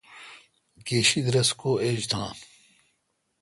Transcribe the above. گیشیدس رس کو ایج تان۔